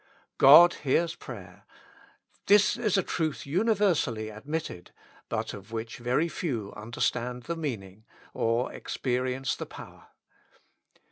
God hears prayer ; this is a truth universally admitted, but of which very few understand the meaning, or experience the power.